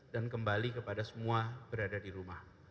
dan kembali kepada semua berada di rumah